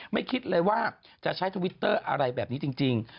ไม่คิดเลยว่าจะใช้ทวิตเตอร์อะไรแบบนี้จริง